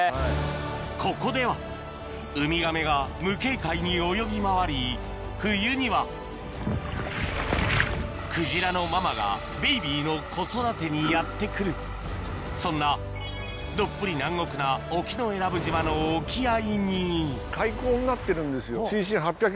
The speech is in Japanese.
ここではウミガメが無警戒に泳ぎ回り冬にはクジラのママがベビーの子育てにやって来るそんなどっぷり南国な沖永良部島の沖合に海溝になってるんですよ。